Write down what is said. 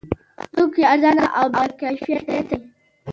دا توکي ارزانه او باکیفیته دي.